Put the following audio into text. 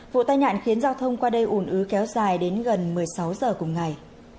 vụ tai nạn khiến giao thông qua đây ủn ứ kéo dài đến gần một mươi sáu giờ cùng ngày